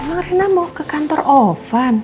emang rena mau ke kantor ovan